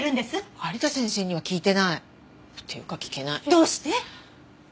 どうして？